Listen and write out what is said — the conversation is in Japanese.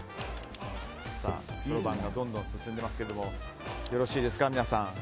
そろばんがどんどん進んでいますがよろしいですか。